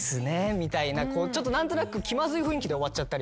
みたいな何となく気まずい雰囲気で終わっちゃったりして。